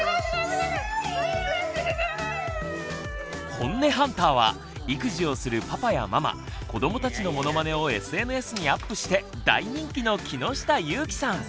ホンネハンターは育児をするパパやママ子どもたちのモノマネをＳＮＳにアップして大人気の木下ゆーきさん。